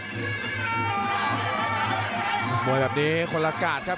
มวยแบบนี้คนละกาดครับ